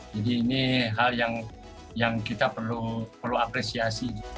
jadi ini hal yang kita perlu apresiasi